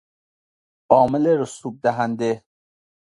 عامل رسوب دهنده